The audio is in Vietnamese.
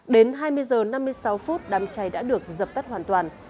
đến hai mươi h năm mươi sáu phút đám cháy đã được dập tắt hoàn toàn